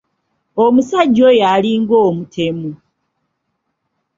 Omusajja oyo alinga omutemu!